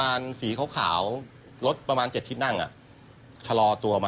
แล้วก็ตกใจเป็นธรรมดา